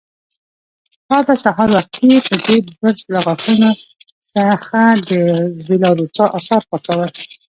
تا به سهار وختي په دې برس له غاښونو څخه د وېلاروسا آثار پاکول.